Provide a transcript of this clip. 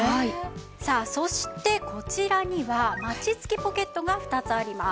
さあそしてこちらにはマチ付きポケットが２つあります。